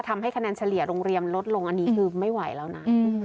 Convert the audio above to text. ทำให้คะแนนเฉลี่ยโรงเรียนลดลงอันนี้คือไม่ไหวแล้วนะ